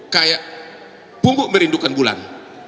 kayak bumbu merindukan bulan